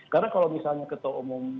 karena kalau misalnya ketua umum